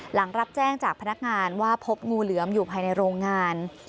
หลังรับแจ้งจากพนักงานว่าพบงูเหลือมอยู่ภายในโรงงาน